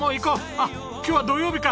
あっ今日は土曜日か！